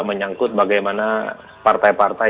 menyangkut bagaimana partai partai